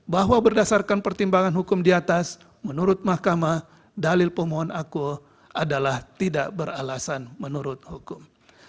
bahwa berdasarkan pertimbangan hukum di atas menurut mahkamah dalil pemohon aku adalah tidak beralasan menurut hukum